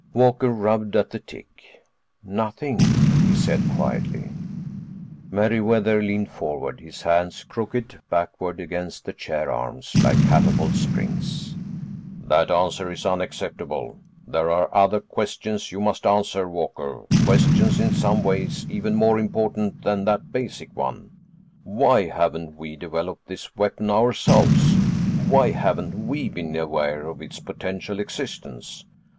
Walker rubbed at the tic. "Nothing," he said quietly. Meriwether leaned forward, his hands crooked backward against the chair arms like catapult springs. "That answer is unacceptable. There are other questions you must answer, Walker, questions in some ways even more important than that basic one. Why haven't we developed this weapon ourselves? Why haven't we been aware of its potential existence?